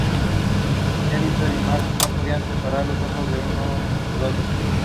Jennifer y Marty no podían separar los ojos el uno del otro.